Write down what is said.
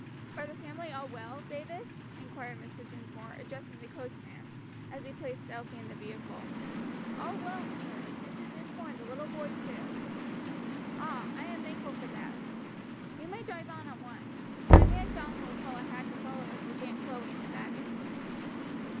"Are the family all well, Davis?" inquired Mr. Dinsmore, addressing the coachman, as he placed Elsie in the vehicle. "All well, sir; Mrs. Dinsmore and the little boy too." "Ah, I am thankful for that. You may drive on at once. My man John will call a hack and follow us with Aunt Chloe and the baggage."